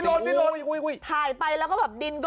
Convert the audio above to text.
ถ่ายไปแล้วก็แบบดินก็ค่อยสไลด์หล่นลงมา